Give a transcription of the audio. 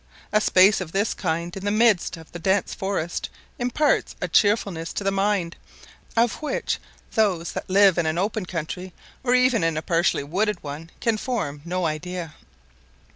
A space of this kind in the midst of the dense forest imparts a cheerfulness to the mind, of which those that live in an open country, or even a partially wooded one, can form no idea.